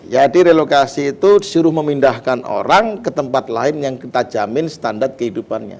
jadi relokasi itu disuruh memindahkan orang ke tempat lain yang kita jamin standar kehidupannya